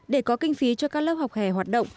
để có kinh phí cho các lớp học hè hoạt động